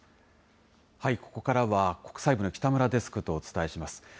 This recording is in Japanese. ここからは、国際部の北村デスクとお伝えします。